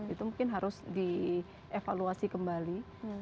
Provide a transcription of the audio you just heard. itu mungkin harus dievaluasi kembali